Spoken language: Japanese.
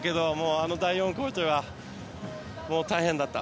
あの第４クオーターは大変だった。